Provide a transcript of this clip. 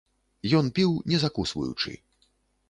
Ён піў не закусваючы.